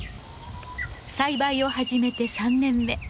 栽培を始めて３年目。